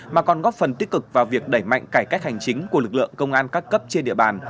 mà còn góp phần tích cực vào việc đẩy mạnh cải cách hành chính của lực lượng công an các cấp trên địa bàn